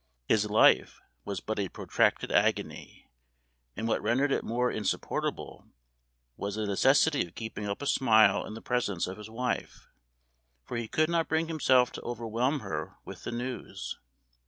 His life was but a protracted agony; and what rendered it more insupportable was the necessity of keeping up a smile in the presence of his wife; for he could not bring himself to overwhelm her with the news.